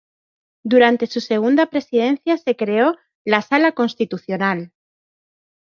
Durante su segunda presidencia se creó la Sala Constitucional.